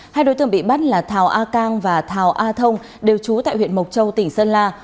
hai đối tượng bị bắt là thảo a cang và thảo a thông đều trú tại huyện mộc châu tỉnh sơn la